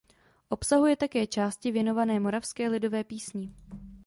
Obsahuje také části věnované moravské lidové písni.